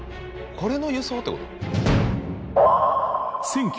これの輸送ってこと？